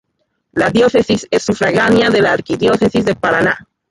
La diócesis es sufragánea de la Arquidiócesis de Paraná.